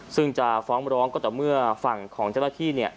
ซึ่งจะฟ้องร้องก็แต่เมื่อฝั่งของเจ้าหน้าที่เนี่ย